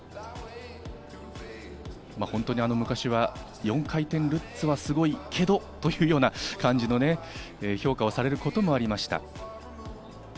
本当に昔は４回転ルッツはすごいけれどというような感じのね、評価をされることもありました。